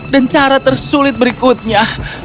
dan cara tersulit berikutnya